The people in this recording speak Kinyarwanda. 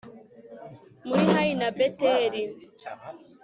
muri hayi na beteli